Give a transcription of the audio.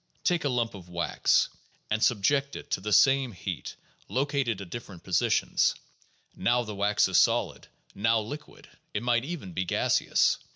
Take a lump of wax, and subject it to the same heat, located at different positions; now the wax is solid, now liquid — it might even be gaseous.